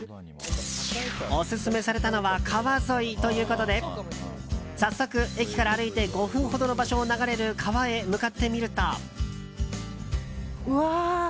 オススメされたのは川沿いということで早速、駅から歩いて５分ほどの場所を流れる川へ向かってみると。